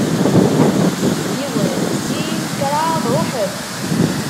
Yiwen, sin, kraḍ, ruḥet!